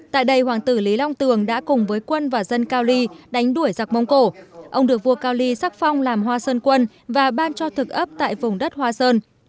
tại đây hoàng tử lý long tường đã cùng với quân và dân cao ly đánh đuổi giặc mông cổ ông được vua cao ly sắc phong làm hoa sơn quân và ban cho thực ấp tại vùng đất hoa sơn